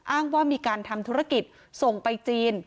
อ้างว่ามีการทำธุรกิจส่งไปจีน